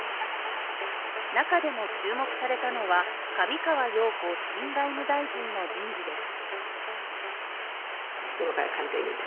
中でも注目されたのは上川陽子新外務大臣の人事です。